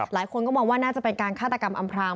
หลายคนก็มองว่าน่าจะเป็นการฆาตกรรมอำพราง